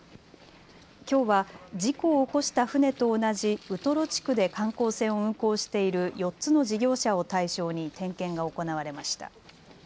きょうは事故を起こした船と同じウトロ地区で観光船を運航している４つの事業者を対象に点検が行われました。